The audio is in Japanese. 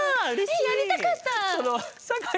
えやりたかった！